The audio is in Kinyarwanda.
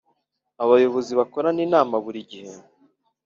abayobozi bakorana inama burigihe.